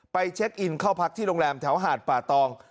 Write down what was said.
เช็คอินเข้าพักที่โรงแรมแถวหาดป่าตอง